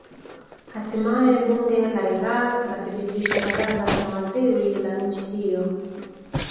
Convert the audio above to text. hatimaye bunge la iraq lathibitisha baraza la mawaziri la nchi hiyo